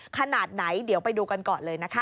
ขนาดไหนเดี๋ยวไปดูกันก่อนเลยนะคะ